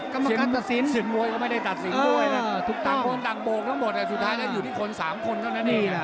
กรรมการตัดสินสินมวยก็ไม่ได้ตัดสินต่างคนต่างโบกทั้งหมดสุดท้ายจะอยู่ที่คน๓คนเท่านั้นเอง